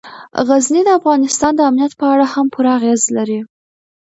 غزني د افغانستان د امنیت په اړه هم پوره اغېز لري.